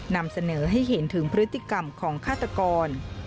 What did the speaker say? นำเสนอให้เห็นถึงพฤติกรรมของฆาตกร